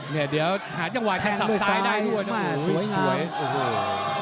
แต่เดี๋ยวหาจังหวะทางสัปซีน่ะด้วยโอ้ยสวยงาม